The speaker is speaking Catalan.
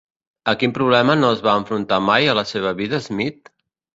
A quin problema no es va enfrontar mai a la seva vida Smith?